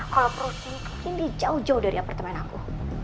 kalau provi ini jauh jauh dari apartemen aku